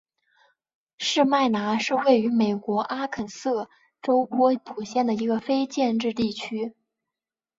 士麦拿是位于美国阿肯色州波普县的一个非建制地区。